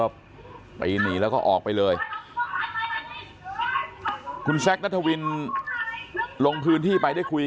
ก็ไปหนีแล้วก็ออกไปเลยคุณแซคนัทวินลงพื้นที่ไปได้คุย